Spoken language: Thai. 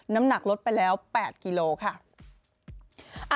น้ำหนักลดไปแล้ว๘กิโลค่ะ